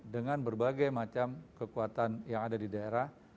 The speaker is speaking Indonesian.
dengan berbagai macam kekuatan yang ada di daerah